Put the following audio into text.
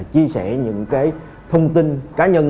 chia sẻ những thông tin cá nhân